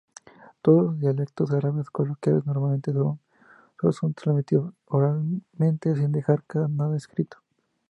Todos los dialectos árabes coloquiales normalmente solo son transmitidos oralmente, sin dejar nada escrito.